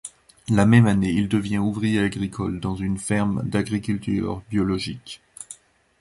La même année, il devient ouvrier agricole dans une ferme d'agriculture biologique.